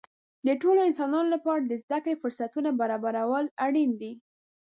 د ټولو انسانانو لپاره د زده کړې فرصتونه برابرول اړین دي.